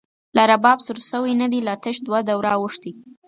لا رباب سور شوی نه دی، لا تش دوه دوره او ښتی